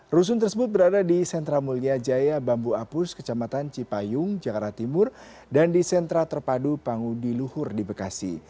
rusun tersebut berada di sentra mulia jaya bambu apus kecamatan cipayung jakarta timur dan di sentra terpadu pangudi luhur di bekasi